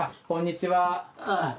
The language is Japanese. こんにちは。